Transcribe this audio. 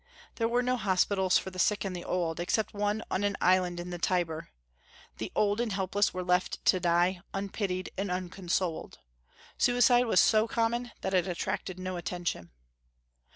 There were no hospitals for the sick and the old, except one on an island in the Tiber; the old and helpless were left to die, unpitied and unconsoled. Suicide was so common that it attracted no attention.